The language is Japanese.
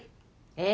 え。